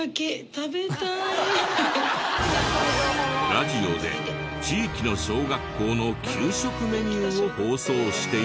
ラジオで地域の小学校の給食メニューを放送していた。